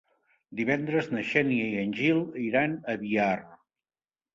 Divendres na Xènia i en Gil iran a Biar.